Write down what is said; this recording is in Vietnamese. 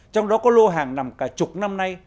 trong đó có lô hàng nằm cả chục năm nay